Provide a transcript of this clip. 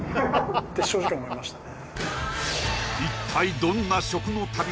って正直思いましたね